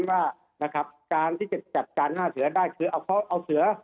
ว่านะครับการที่จะจัดการหน้าเสือได้คือเอาเขาเอาเสือ